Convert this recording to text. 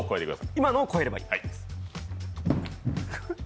今のを超えればいいんですね。